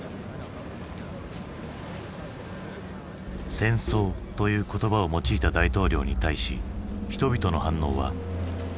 「戦争」という言葉を用いた大統領に対し人々の反応は。